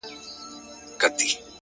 سپوږمۍ هغې ته په زاریو ویل ،